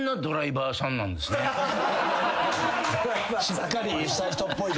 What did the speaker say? しっかりした人っぽい。